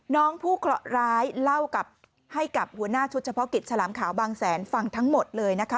น้องผู้เคราะห์ร้ายเล่าให้กับหัวหน้าชุดเฉพาะกิจฉลามขาวบางแสนฟังทั้งหมดเลยนะคะ